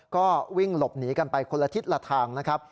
ก็วิ่งหลบหนีกันไปคนละทิศละทางนะครับ